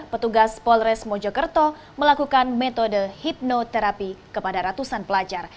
petugas polres mojokerto melakukan metode hipnoterapi kepada ratusan pelajar